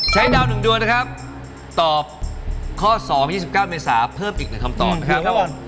ดาว๑ดวงนะครับตอบข้อ๒๒๙เมษาเพิ่มอีก๑คำตอบนะครับ